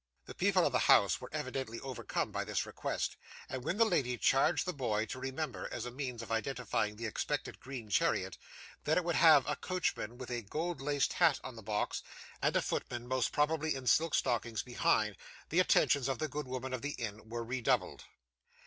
The people of the house were evidently overcome by this request, and when the lady charged the boy to remember, as a means of identifying the expected green chariot, that it would have a coachman with a gold laced hat on the box, and a footman, most probably in silk stockings, behind, the attentions of the good woman of the inn were redoubled.